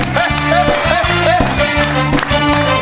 เต้นสักพักนึงก่อน